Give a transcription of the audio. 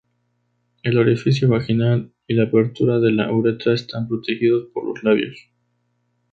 El orificio vaginal y la apertura de la uretra están protegidos por los labios.